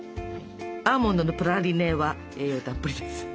アーモンドのプラリネは栄養たっぷりです。